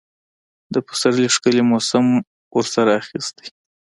د پسرلي ښکلي موسم ورسره اخیستی.